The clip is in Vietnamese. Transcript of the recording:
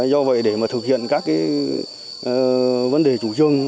do vậy để mà thực hiện các vấn đề chủ trương